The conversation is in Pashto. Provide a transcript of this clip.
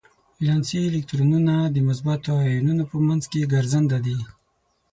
ولانسي الکترونونه د مثبتو ایونونو په منځ کې ګرځننده دي.